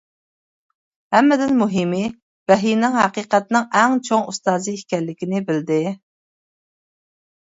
ھەممىدىن مۇھىمى، ۋەھىينىڭ ھەقىقەتنىڭ ئەڭ چوڭ ئۇستازى ئىكەنلىكىنى بىلدى.